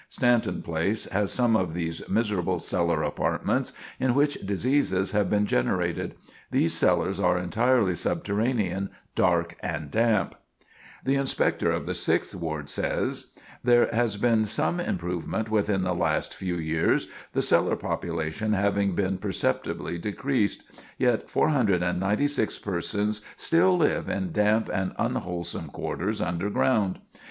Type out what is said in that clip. Stanton Place has some of these miserable cellar apartments, in which diseases have been generated. These cellars are entirely subterranean, dark and damp." [Sidenote: 496 Persons Under Ground] The Inspector of the Sixth Ward says: "There has been some improvement within the last few years the cellar population having been perceptibly decreased, yet 496 persons still live in damp and unwholesome quarters under ground.